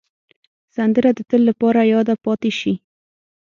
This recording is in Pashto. سندره د تل لپاره یاده پاتې شي